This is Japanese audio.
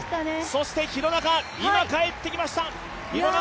そして廣中、今帰ってきました。